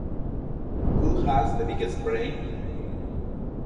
Who has the Biggest Brain?